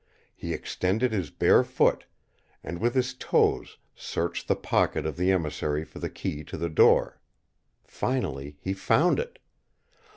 He extended his bare foot, and with his toes searched the pocket of the emissary for the key to the door. Finally he found it.